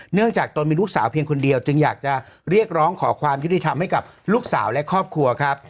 จากตนมีลูกสาวเพียงคนเดียวจึงอยากจะเรียกร้องขอความยุติธรรมให้กับลูกสาวและครอบครัวครับ